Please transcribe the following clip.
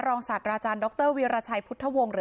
รองศัตริ์อาจารย์ดรวิราชัยพุทธวงศ์